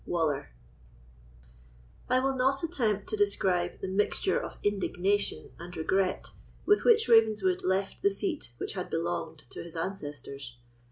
WALLER I will not attempt to describe the mixture of indignation and regret with which Ravenswood left the seat which had belonged to his ancestors.